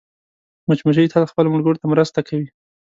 مچمچۍ تل خپلو ملګرو ته مرسته کوي